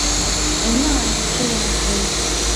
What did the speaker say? என்ன ஆயிற்று எனக்கு?